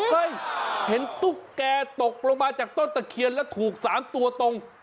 เห็นตุ๊กแกตกลงมาจากต้นตะเคียนแล้วถูก๓ตัวตรง